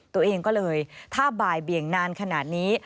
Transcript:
ตัวเองก็เลยถ้าบ่ายเบี่ยงนานขนาดนี้